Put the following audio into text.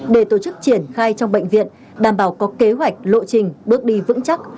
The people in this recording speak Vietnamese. để tổ chức triển khai trong bệnh viện đảm bảo có kế hoạch lộ trình bước đi vững chắc